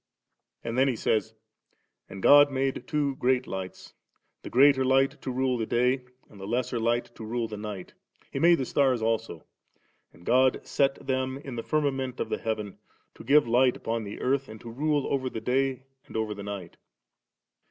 And then he says, 'And God made two great lights, the greater light to rule the day, and the lesser light to rule the night : He made the stars alsa And God set them in the firmament of the heaven, to give light upon the earth, and to rule over the day and over the night V 28.